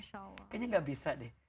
kayaknya gak bisa deh